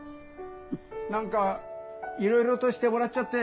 何かいろいろとしてもらっちゃって。